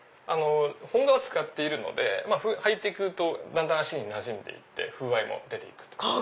本革使ってるので履いていくとだんだん足になじんでいって風合いも出てきます。